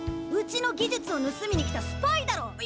うちの技術をぬすみに来たスパイだろ！